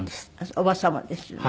伯母様ですよね。